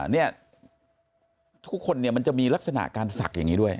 เนี่ยทุกคนเนี่ยมันจะมีลักษณะการศักดิ์อย่างนี้ด้วย